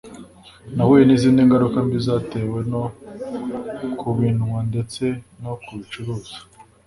nahuye n’izindi ngaruka mbi zatewe no kubinywa ndetse no kubicuruza